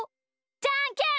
じゃんけん。